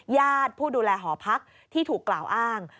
ญาติผู้ดูแลหอพักที่ถูกกล่าวอ้าง